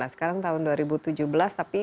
sekarang tahun dua ribu tujuh belas tapi